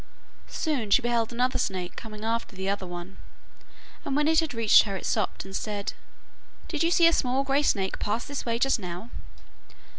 Soon she beheld another snake coming after the other one, and when it had reached her it stopped and said, 'Did you see a small grey snake pass this way just now?